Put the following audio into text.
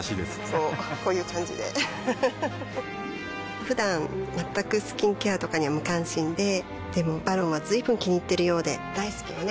こうこういう感じでうふふふだん全くスキンケアとかに無関心ででも「ＶＡＲＯＮ」は随分気にいっているようで大好きよね